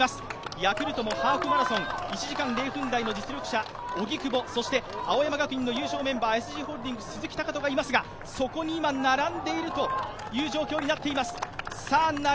ヤクルトもハーフマラソン１時間０分台の実力者、荻久保、そして青山学院の優勝メンバー、ＳＧホールディングス・鈴木塁人がいますがそこに今、並んでいるという状況になっています。